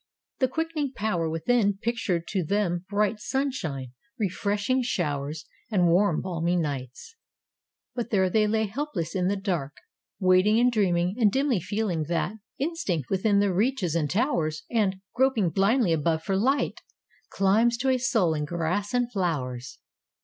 The quickening power within pictured to them bright sunshine, refreshing showers and warm, balmy nights. But there they lay helpless in the dark, waiting and dreaming and dimly feeling that— Instinct within that reaches and towers And, groping blindly above for light, Climbs to a soul in grass and flowers.